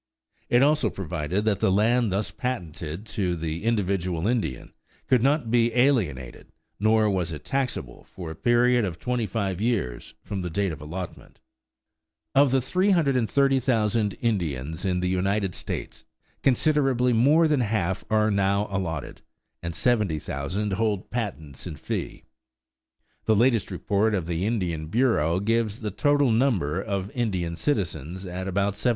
It also provided that the land thus patented to the individual Indian could not be alienated nor was it taxable for a period of twenty five years from the date of allotment. Of the 330,000 Indians in the United States, considerably more than half are now allotted, and 70,000 hold patents in fee. The latest report of the Indian Bureau gives the total number of Indian citizens at about 75,000.